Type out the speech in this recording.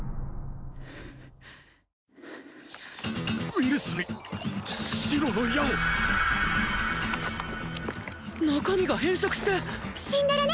ウイルスに白の矢を中身が変色して死んでるね